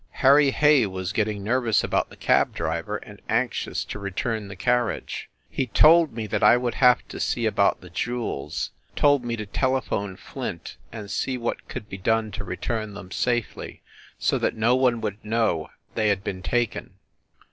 Harry Hay was get ting nervous about the cab driver, and anxious to return the carriage. He told me that I would have SCHEFFEL HALL 43 to see about the jewels told me to telephone Flint and see what could be done to return them safely, so that no one would know they had been taken.